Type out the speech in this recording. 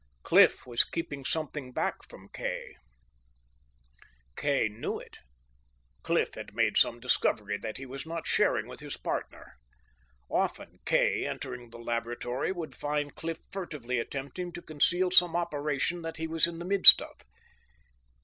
Cliff was keeping something back from Kay. Kay knew it. Cliff had made some discovery that he was not sharing with his partner. Often Kay, entering the laboratory, would find Cliff furtively attempting to conceal some operation that he was in the midst of.